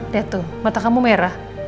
lihat tuh mata kamu merah